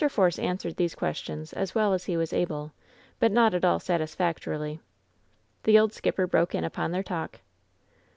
Force answered these questions as well as he was able, but not at all satisfactorily. The old skipper broke in upon their talk.